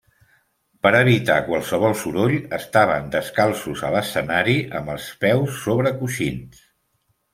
Per evitar qualsevol soroll, estaven descalços a l’escenari amb els peus sobre coixins.